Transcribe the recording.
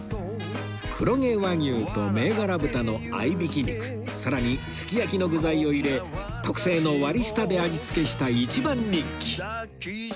黒毛和牛と銘柄豚の合いびき肉さらにすき焼きの具材を入れ特製の割り下で味付けした一番人気